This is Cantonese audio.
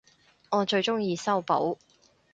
我最鍾意修補